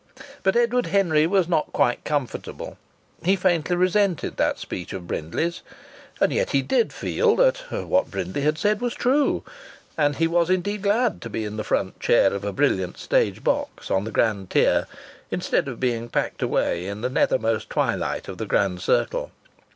But Edward Henry was not quite comfortable. He faintly resented that speech of Brindley's. And yet he did feel that what Brindley had said was true, and he was indeed glad to be in the front chair of a brilliant stage box on the grand tier, instead of being packed away in the nethermost twilight of the Grand Circle.